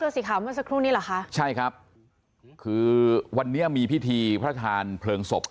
สีขาวเมื่อสักครู่นี้เหรอคะใช่ครับคือวันนี้มีพิธีพระทานเพลิงศพ